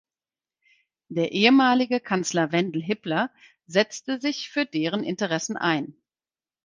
Der ehemalige Kanzler Wendel Hipler setzte sich für deren Interessen ein.